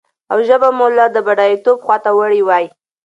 او ژبه به مو لا د بډايتوب خواته وړي وي.